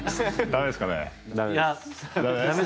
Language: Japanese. ダメですかね？